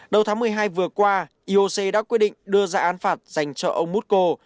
đầu tháng một mươi hai vừa qua ioc đã quyết định đưa ra án phạt dành cho ông musko